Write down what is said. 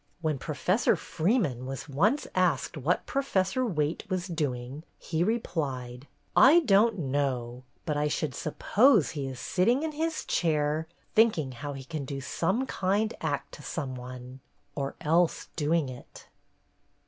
When Professor Freeman 155 MISS JANE ARRIVES was once asked what Professor Wayte was doing, he replied :' I don't know, but I should suppose he is sitting in his chair, thinking how he can do some kind act to some one, or else doing it.